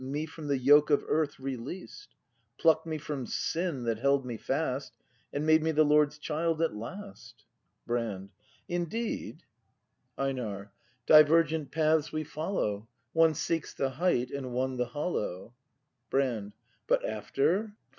Me from the yoke of Earth released; Pluck'd me from Sin that held me fast. And made me the Lord's child at last. Brand. Indeed ? 250 BRAND [act v EiNAR. Divergent paths we follow; One seeks the height, and one the hollow. Brand. But after